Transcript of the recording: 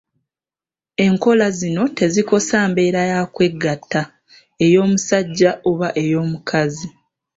Enkola zino tezikosa mbeera ya kwegatta ey'omusajja oba ey'omukazi.